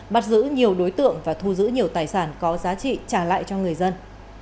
bắt giữ nhiều đối tượng và thu giữ nhiều tài sản có giá trị trả lại cho người dân